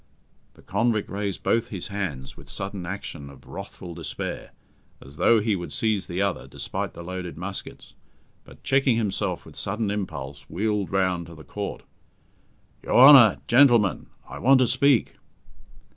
The convict raised both his hands with sudden action of wrathful despair, as though he would seize the other, despite the loaded muskets; but, checking himself with sudden impulse, wheeled round to the Court. "Your Honour! Gentlemen! I want to speak."